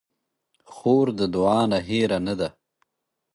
خور د دعا نه هېره نه ده.